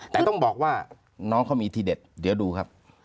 แต่ต้องบอกว่าน้องเขามีทีเด็ดเดี๋ยวดูครับ